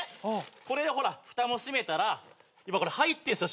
これでほらふたも閉めたら今これ入ってんすよ